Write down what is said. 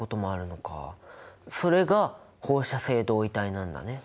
それが放射性同位体なんだね。